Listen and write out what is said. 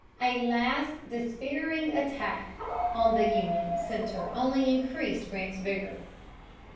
A last despairing attack on the Union center only increased Grant's vigor.